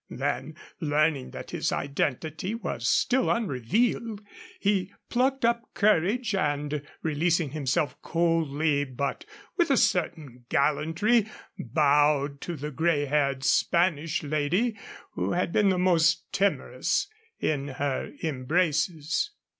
Then, learning that his identity was still unrevealed, he plucked up courage, and, releasing himself, coldly but with a certain gallantry bowed to the gray haired Spanish lady who had been the most timorous in her embraces.